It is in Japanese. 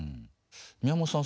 宮本さん